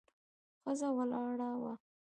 ښځه ولاړه وه.